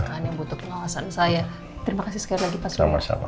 saya terima kasih sekali lagi pas sama sama